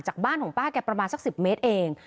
บ้านของป้าแกประมาณสัก๑๐เมตรเอง